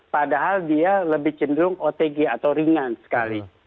padahal dia lebih cenderung otg atau ringan sekali